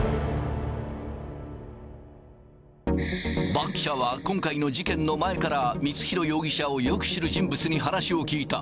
バンキシャは今回の事件の前から、光弘容疑者をよく知る人物に話を聞いた。